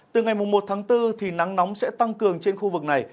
từ ngày một tháng bốn nắng nóng sẽ tăng cường trên khu vực này